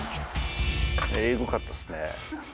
エグかったっすね。